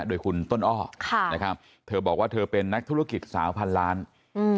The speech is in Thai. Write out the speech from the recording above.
โดยคุณต้นอ้อค่ะนะครับเธอบอกว่าเธอเป็นนักธุรกิจสาวพันล้านอืม